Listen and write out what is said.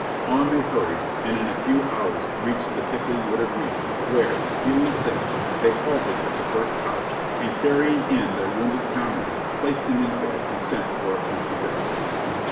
On they hurried, and in a few hours reached the thickly w^ooded region, where, feeling safe, they halted at the first house, and carry ing in their wounded comrade, placed him in bed and sent for a country doctor.